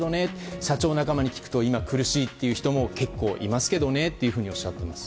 社長仲間に聞くと今、苦しいという人も結構いますけどねというふうにおっしゃっています。